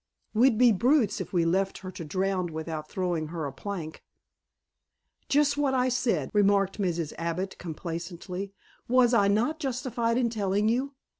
We'd be brutes if we left her to drown without throwing her a plank." "Just what I said," remarked Mrs. Abbott complacently. "Was I not justified in telling you?